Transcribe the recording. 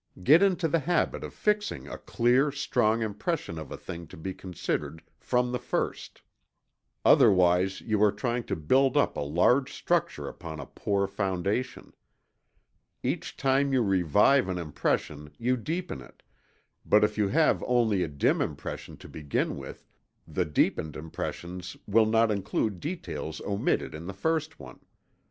_ Get into the habit of fixing a clear, strong impression of a thing to be considered, from the first. Otherwise you are trying to build up a large structure upon a poor foundation. Each time you revive an impression you deepen it, but if you have only a dim impression to begin with, the deepened impressions will not include details omitted in the first one.